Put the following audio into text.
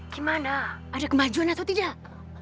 gimana ada kemajuan atau tidak